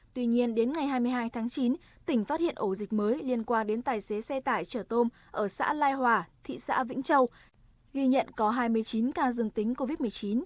tuy nhiên đến ngày hai mươi hai tháng chín tỉnh phát hiện ổ dịch mới liên quan đến tài xế xe tải chở tôm ở xã lai hòa thị xã vĩnh châu ghi nhận có hai mươi chín ca dương tính covid một mươi chín